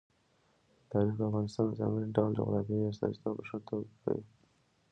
تاریخ د افغانستان د ځانګړي ډول جغرافیې استازیتوب په ښه توګه کوي.